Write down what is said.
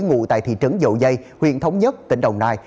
ngụ tại thị trấn dậu dây huyện thống nhất tỉnh đồng nai